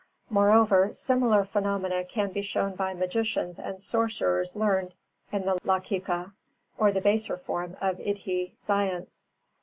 Moreover, similar phenomena can be shown by magicians and sorcerers learned in the Laukika, or the baser form of Iddhī science.